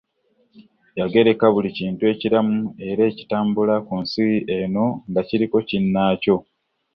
Yagereka buli kintu ekiramu era ekitambula ku nsi eno nga kiriko kinnaakyo.